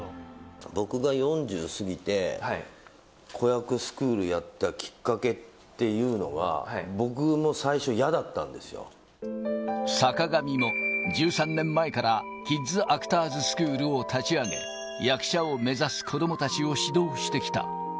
僕が４０過ぎて、子役スクールやったきっかけというのは、僕も最初、やだったんで坂上も、１３年前からキッズアクターズスクールを立ち上げ、役者を目指す子どもたちを指導してきた。